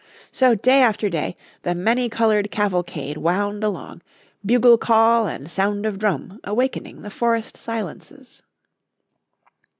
So day after day the many coloured cavalcade wound along, bugle call and sound of drum awakening the forest silences.